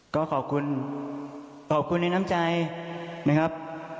ก็ขอบคุณขอบคุณในน้ำใจนะครับ